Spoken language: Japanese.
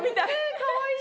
かわいい！